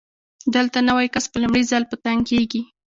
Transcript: دلته نوی کس په لومړي ځل په تنګ کېږي.